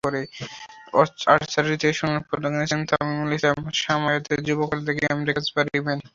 আর্চারিতে সোনার পদক এনেছেন তামিমুল ইসলাম—সামোয়াতে যুব কমনওয়েলথ গেমসে রিকার্ভ বো ইভেন্টে।